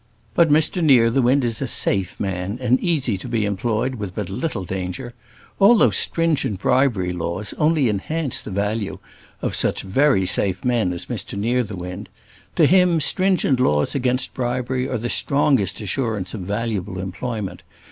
But Mr Nearthewinde is a safe man, and easy to be employed with but little danger. All these stringent bribery laws only enhance the value of such very safe men as Mr Nearthewinde. To him, stringent laws against bribery are the strongest assurance of valuable employment.